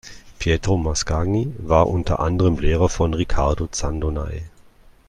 Pietro Mascagni war unter anderem Lehrer von Riccardo Zandonai.